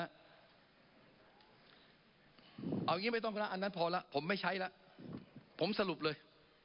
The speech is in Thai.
เอาอย่างนี้ไม่ต้องก็แล้วอันนั้นพอแล้วผมไม่ใช้แล้วผมสรุปเลย